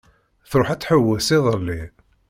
Tṛuḥ ad tḥewwes iḍelli.